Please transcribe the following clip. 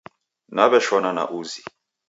Naw'eshona na uzi